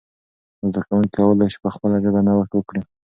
زده کوونکي کولای سي په خپله ژبه نوښت وکړي.